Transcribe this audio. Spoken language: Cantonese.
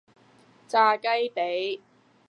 炸雞脾